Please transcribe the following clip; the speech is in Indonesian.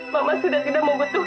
saya tidak ada uang lagi desi